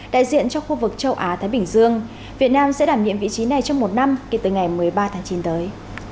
đại diện cho khu vực châu á thái bình dương việt nam sẽ đảm nhiệm vị trí này trong một năm kể từ ngày một mươi ba tháng chín tới